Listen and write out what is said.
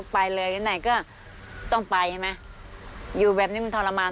ผ่านร้อนผ่านหนาว